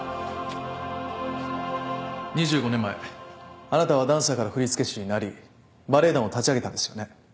２５年前あなたはダンサーから振付師になりバレエ団を立ち上げたんですよね。